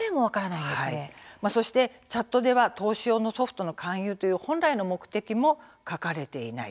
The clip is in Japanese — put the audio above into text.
そしてチャットでは投資用のソフトの勧誘という本来の目的も書かれていない。